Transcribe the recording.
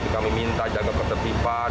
kami minta jaga ketepipan